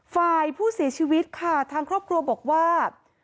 ฝ่ายผู้เสียชีวิตค่ะทางครอบครัวบอกว่า